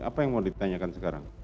apa yang mau ditanyakan sekarang